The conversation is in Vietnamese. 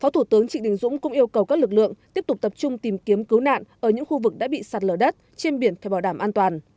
phó thủ tướng trịnh đình dũng cũng yêu cầu các lực lượng tiếp tục tập trung tìm kiếm cứu nạn ở những khu vực đã bị sạt lở đất trên biển phải bảo đảm an toàn